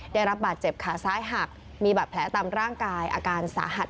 ได้รับบาดเจ็บขาซ้ายหักมีบาดแผลตามร่างกายอาการสาหัส